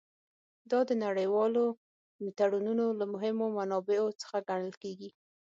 دا د نړیوالو تړونونو له مهمو منابعو څخه ګڼل کیږي